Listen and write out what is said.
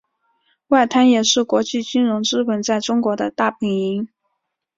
外滩也是国际金融资本在中国的大本营。